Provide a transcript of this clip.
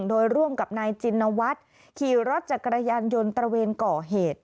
โดยร่วมกับนายจินวัฒน์ขี่รถจักรยานยนต์ตระเวนก่อเหตุ